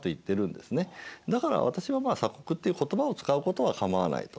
だから私はまあ「鎖国」っていう言葉を使うことはかまわないと。